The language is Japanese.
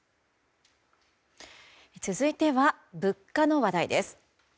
続いては物価の話題です。